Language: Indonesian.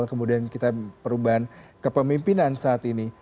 kemudian kita perubahan kepemimpinan saat ini